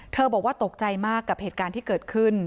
บอกว่าตกใจมากกับเหตุการณ์ที่เกิดขึ้น